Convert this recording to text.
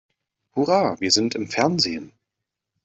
Hurra, wir sind im Fernsehen!